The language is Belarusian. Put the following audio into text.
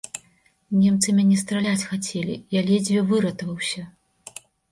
Немцы мяне страляць хацелі, я ледзьве выратаваўся.